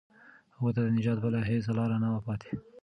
هغوی ته د نجات بله هیڅ لاره نه وه پاتې.